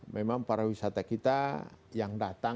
memang para wisata kita yang datang